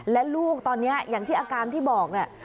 และลูกตอนนี้อย่างที่อาการที่บอกเนี่ย